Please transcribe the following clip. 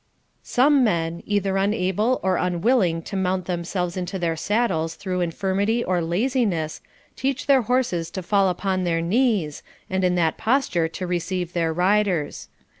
Some men, either unable or unwilling to mount themselves into their saddles through infirmity or laziness, teach their horses to fall upon their knees, and in that posture to receive their riders.